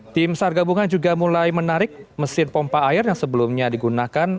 tim sar gabungan juga mulai menarik mesin pompa air yang sebelumnya digunakan